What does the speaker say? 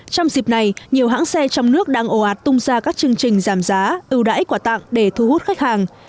trong dịp này nhiều hãng xe trong nước đang ồ ạt tung ra các chương trình giảm giá ưu đãi quả tặng để thu hút khách hàng